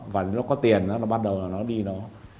và nó có tiền nó bắt đầu nó đi đó